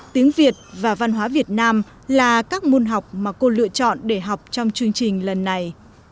tiếng việt và văn hóa việt nam là các môn học mà cô lựa chọn để học trong chương trình lần này